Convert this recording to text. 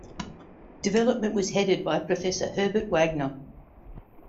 Development was headed by Professor Herbert Wagner.